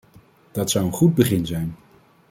Dat zou een goed begin zijn.